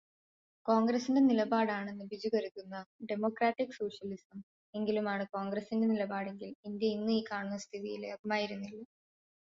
കോൺഗ്രസ്സിന്റെ നിലപാടാണെന്ന് ബിജു കരുതുന്ന "ഡെമോക്രാറ്റിൿ സോഷ്യലിസം" എങ്കിലും ആണ് കോൺഗ്രസ്സിന്റെ നിലപാടെങ്കിൽ ഇന്ത്യ ഇന്നീ കാണുന്ന സ്ഥിതിയിലാകുമായിരുന്നില്ല.